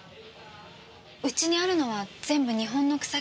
うちにあるのは全部日本の草木染めです。